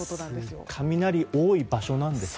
雷多い場所なんですね。